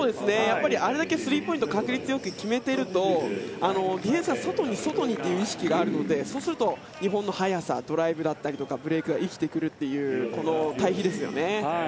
あれだけスリーポイントよく決めているとディフェンスは外に外にという意識があるのでそうすると、日本の速さドライブだったりブレークが生きてくるという対比ですよね。